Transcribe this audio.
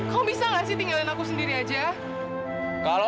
aku adalah orang yang berusaha hidup tanpa kamu